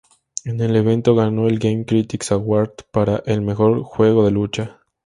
En el evento, ganó el Game Critics Award para "El Mejor Juego de lucha".